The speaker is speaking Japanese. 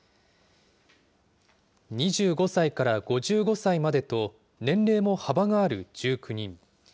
２５歳から５５歳までと、年齢も幅がある１９人。